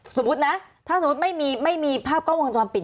สมมุตินะถ้าสมมุติไม่มีภาพกล้องวงจรปิด